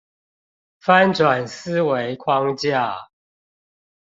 翻轉思維框架